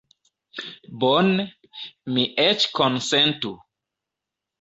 Bone, mi eĉ konsentu.